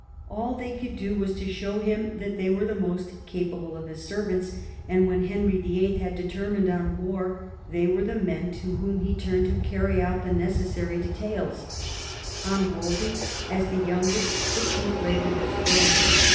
All they could do was to show him that they were the most capable of his servants, and when Henry Vin. had determined on war they were the men to whom he turned to carry out the necessary detaila On Wolsey as the youngest the chief labour was thrown.